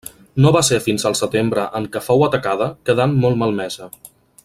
No va ser fins al setembre en què fou atacada, quedant molt malmesa.